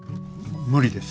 無理です。